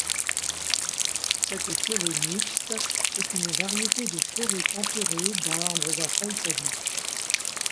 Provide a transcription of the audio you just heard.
Cette forêt mixte est une variété de forêts tempérées d'arbres à feuilles caduques.